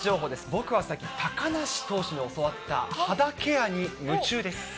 僕は最近、高梨投手に教わった肌ケアに夢中です。